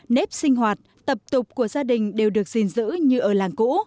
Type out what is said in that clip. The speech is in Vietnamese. nếp sinh hoạt tập tục của gia đình đều được gìn giữ như ở làng cũ